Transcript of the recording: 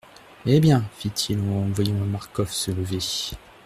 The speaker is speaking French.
Eh bien ? fit-il en voyant Marcof se lever.